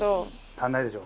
足らないでしょ？